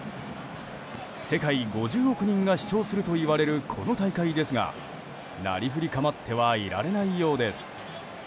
世界５０億人が視聴するといわれるこの大会ですがなりふり構ってはいられないようです。